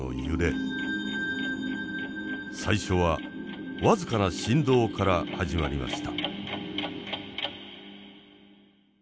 最初は僅かな震動から始まりました。